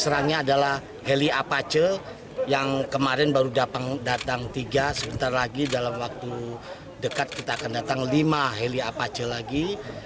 serangnya adalah heli apache yang kemarin baru datang tiga sebentar lagi dalam waktu dekat kita akan datang lima heli apache lagi